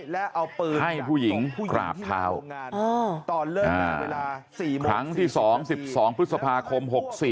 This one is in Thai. ไลฟ์ให้ผู้หญิงกราบเท้าครั้งที่สอง๑๒พฤษภาคม๖๔